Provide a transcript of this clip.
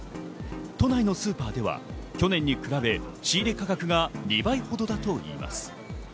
都内のスーパーでは去年に比べ、仕入れ価格が２倍ほどだといいます。